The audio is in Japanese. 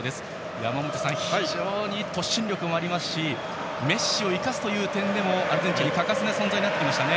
山本さん、非常に突進力もありますしメッシを生かすという点でもアルゼンチンに欠かせない存在になってきましたね。